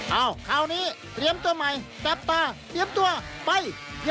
คราวนี้เตรียมตัวใหม่จับตาเตรียมตัวไป